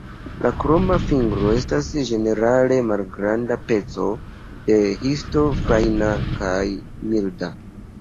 La kroma fingro estas ĝenerale malgranda peco de histo fajna kaj milda.